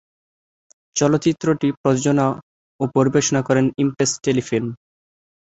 চলচ্চিত্রটি প্রযোজনা ও পরিবেশনা করে ইমপ্রেস টেলিফিল্ম।